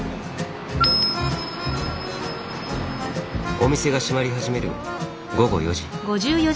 お店が閉まり始める午後４時。